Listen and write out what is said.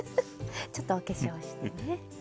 ちょっとお化粧してね。